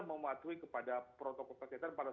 mematuhi kepada protokol kesehatan pada